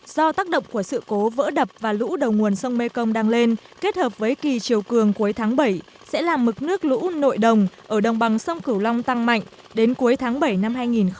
do tác động của sự cố vỡ đập và lũ đầu nguồn sông mê công đang lên kết hợp với kỳ chiều cường cuối tháng bảy sẽ làm mực nước lũ nội đồng ở đồng bằng sông cửu long tăng mạnh đến cuối tháng bảy năm hai nghìn hai mươi